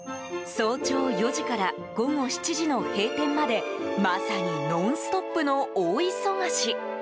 早朝４時から午後７時の閉店までまさにノンストップの大忙し。